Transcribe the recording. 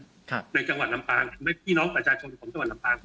ครับในจังหวัดลำปางและพี่น้องประชาชนของจังหวัดลำปาง